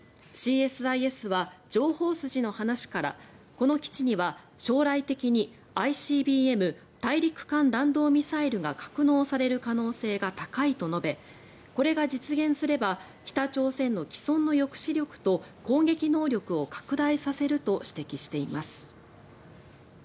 ＣＳＩＳは情報筋の話からこの基地には将来的にＩＣＢＭ・大陸間弾道ミサイルが格納される可能性が高いと述べこれが実現すれば北朝鮮の既存の抑止力と攻撃能力を拡大させると指摘しています。